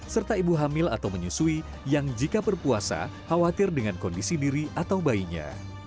serta ibu hamil atau menyusui yang jika berpuasa khawatir dengan kondisi diri atau bayinya